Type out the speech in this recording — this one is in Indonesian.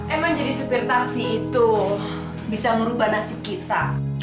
emang jadi supir taksi itu bisa merubah nasib kita